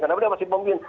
karena udah masih pemimpin